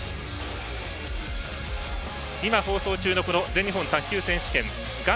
今放送中の全日本卓球選手権画面